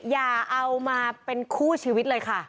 อย่าเอามาเป็นคู่ชีวิตเลยค่ะ